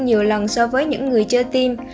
nhiều lần so với những người chưa tiêm